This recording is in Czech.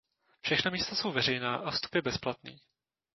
Všechna místa jsou veřejná a vstup je bezplatný.